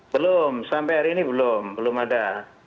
belum sampai hari ini belum belum ada